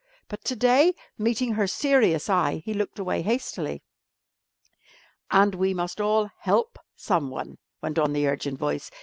But to day, meeting her serious eye, he looked away hastily. "And we must all help someone," went on the urgent voice.